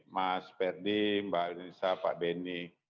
mas ferdin mbak nissa pak benny